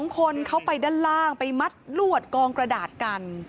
๒คนเข้าไปด้านล่างไปมัดลวดกองกระดาษกัน